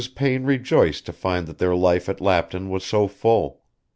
Payne rejoiced to find that their life at Lapton was so full.